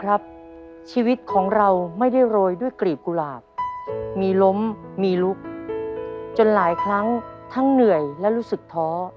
ครับชีวิตของเราไม่ได้โรยด้วยกรีบกุหลาบมีล้มมีลุกจนหลายครั้งทั้งเหนื่อยและรู้สึกท้อ